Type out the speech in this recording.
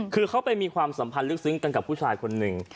คือเขาไปมีความสัมพันธ์ลึกซึ้งกันกับผู้ชายคนหนึ่ง